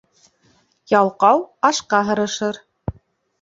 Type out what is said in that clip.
Ялҡау ашҡа һырышыр.